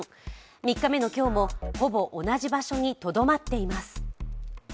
３日目の今日もほほ同じ場所にとどまっています。